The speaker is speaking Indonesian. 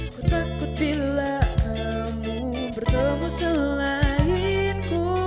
ku takut bila kamu bertemu selain ku